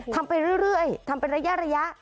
ทำไปเรื่อยทำเป็นระยะ